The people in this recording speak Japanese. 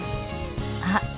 「あっ。